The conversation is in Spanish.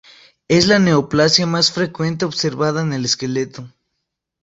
Es la neoplasia más frecuentemente observada en el esqueleto.